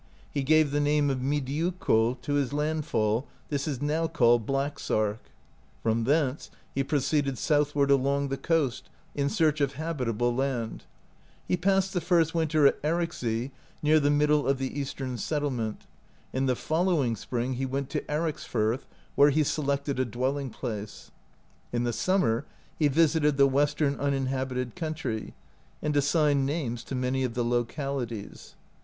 He gave the name of Midiakul to his landfall; this is now called Blacksark* From thence he proceeded southward along the coast, in search of habitable land* He passed the first winter at Ericsey, near the middle of the Eastern settlement, and the following spring he went to Ericsfirth, where he selected a dwelling place* In the summer he visited the western uninhabited country, and assigned names to many of the localities.